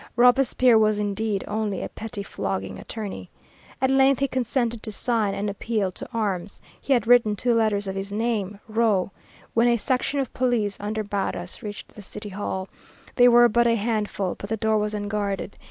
Robespierre was, indeed, only a pettifogging attorney. At length he consented to sign an appeal to arms. He had written two letters of his name "Ro" when a section of police under Barras reached the City Hall. They were but a handful, but the door was unguarded.